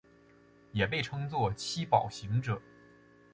也被称作七宝行者。